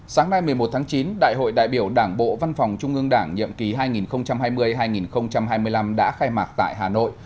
sáng nay một mươi một tháng chín đại hội đại biểu đảng bộ văn phòng trung ương đảng nhiệm kỳ hai nghìn hai mươi hai nghìn hai mươi năm đã khai mạc tại hà nội